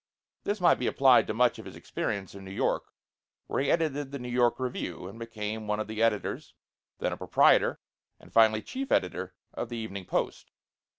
This might be applied to much of his experience in New York, where he edited the New York Review and became one of the editors, then a proprietor, and finally chief editor of the Evening Post.